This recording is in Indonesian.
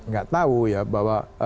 nggak tahu ya bahwa